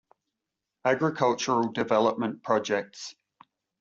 Agricultural development projects.